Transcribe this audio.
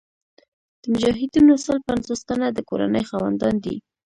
د مجاهدینو سل پنځوس تنه د کورنۍ خاوندان دي.